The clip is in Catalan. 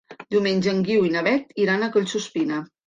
Diumenge en Guiu i na Beth iran a Collsuspina.